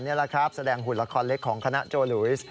แสดงศรีสัญแสดงหัวละครเล็กของคณะโจวิส